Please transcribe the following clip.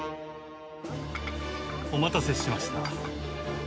お待たせしました。